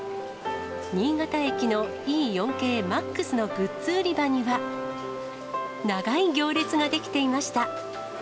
新潟駅のＥ４系Ｍａｘのグッズ売り場には、長い行列が出来ていました。